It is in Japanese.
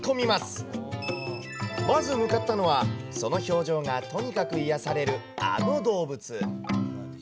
まず向かったのは、その表情がとにかく癒やされるあの動物。